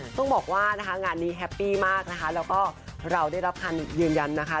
ต้องบอกว่านะคะงานนี้แฮปปี้มากนะคะแล้วก็เราได้รับคำยืนยันนะคะ